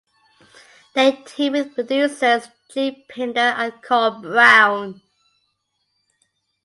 They teamed with producers Jim Pinder and Carl Brown.